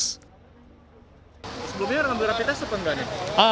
sebelumnya rambutan rambutan